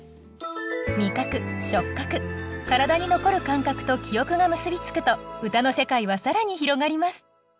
味覚触覚体に残る感覚と記憶が結びつくと歌の世界は更に広がります